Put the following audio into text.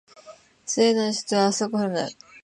スウェーデンの首都はストックホルムである